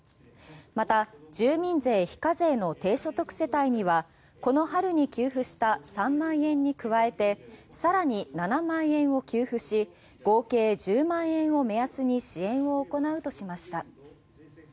また、住民税非課税の低所得世帯にはこの春に給付した３万円に加えてさらに７万円を給付し合計１０万円を目安に支援を行うとしました。